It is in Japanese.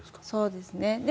そうですね。